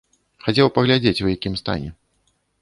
Хацеў паглядзець, у якім стане.